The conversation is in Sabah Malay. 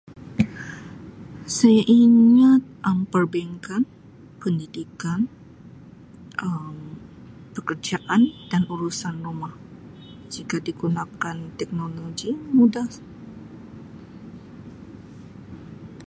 Saya ingat Um perbankan, pendidikan Um pekerjaan dan urusan rumah jika digunakan teknologi mudah.